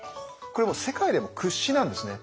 これもう世界でも屈指なんですね。